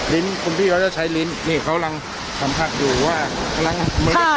ลิ้นคุณพี่เขาจะใช้ลิ้นนี่เขาหลังสัมผัสดูว่า